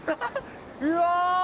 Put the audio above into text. うわ！